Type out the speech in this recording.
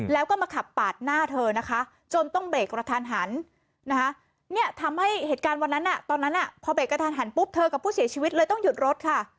แล้วก็มาขับปาดหน้าเธอนะคะจนต้องเบรกกระทันหันนะคะเนี่ยทำให้เหตุการณ์วันนั้นตอนนั้นพอเบรกกระทันหันปุ๊บเธอกับผู้เสียชีวิตเลยต้องหยุดรถค่ะ